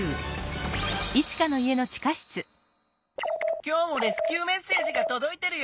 今日もレスキューメッセージがとどいてるよ。